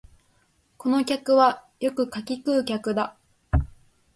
この客はよく柿食う客だ